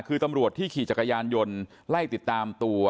คือตำรวจที่ขี่จักรยานยนต์ไล่ติดตามตัว